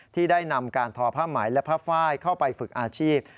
ที่ได้นำการทอผ้าไหมและผ้าไฟล์เข้าไปฝึกอาชีพ